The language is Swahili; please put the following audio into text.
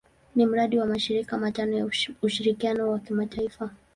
Ni mradi wa mashirika matano ya ushirikiano wa kimataifa.